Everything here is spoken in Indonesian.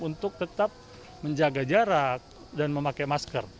untuk tetap menjaga jarak dan memakai masker